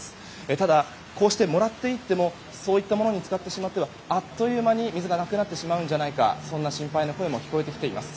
ただ、こうしてもらっていってもそうしたものに使ってしまってはあっという間に水がなくなってしまうんじゃないかそんな心配の声も聞こえてきています。